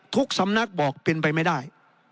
สำนักบอกเป็นไปไม่ได้